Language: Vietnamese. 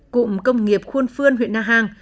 cụm công nghiệp khuôn phương huyện na hàng